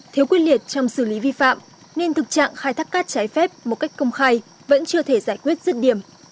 thiếu quyết liệt trong xử lý vi phạm nên thực trạng khai thác cát trái phép một cách công khai vẫn chưa thể giải quyết rứt điểm